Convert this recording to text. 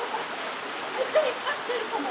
めっちゃ引っ張ってるかも。